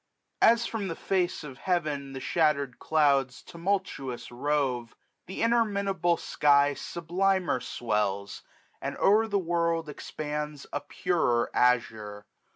As from the face of heaven the shattered clouds Tumultuous rove, th* interminable sky S'ublimer swells, and o'er the world expands 1225 A purer azure.